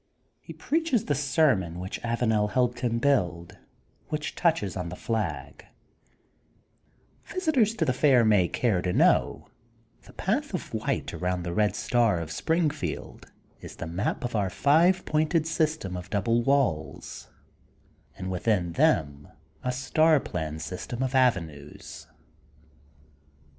He preaches the sermon, which Avanel helped him build, which touches on the flag: 124 THE GOLDEN BOOK OF SPRINGFIELD Visitors to the Fair may care to know the path of white around the red star of Springfield is the map of our five pointed sys tem of double walls and within them a star plan system of avenues.